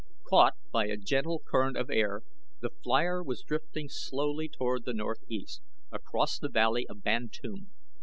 Caught by a gentle current of air the flier was drifting slowly toward the northeast across the valley of Bantoom.